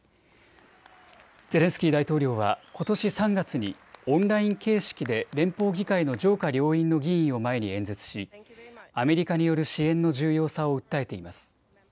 ゼレンスキー大統領はことし３月にオンライン形式で連邦議会の上下両院の議員を前に演説しアメリカによる支援の重要さを訴えています。